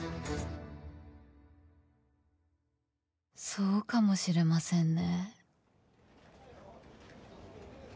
そうかもしれませんね。